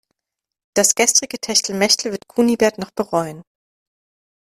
Das gestrige Techtelmechtel wird Kunibert noch bereuen.